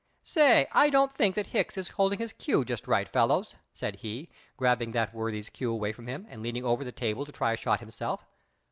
"Say, I don't think that Hicks is holding his cue just right, fellows," said he, grabbing that worthy's cue away from him and leaning over the table to try a shot himself.